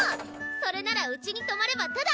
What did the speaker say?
それならうちにとまればタダ！